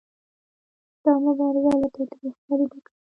دا مبارزه له تاوتریخوالي ډکه وي